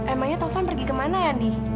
emangnya taufan pergi ke mana andi